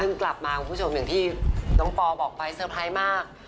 ซึ่งกลับมาคุณผู้ชมอย่างที่น้องปอบอกไปเตอร์ไพรส์มาก